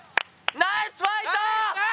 ナイスファイト！